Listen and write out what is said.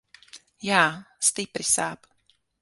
Jā, stipri sāp.